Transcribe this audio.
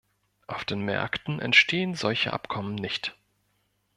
Auf den Märkten entstehen solche Abkommen nicht.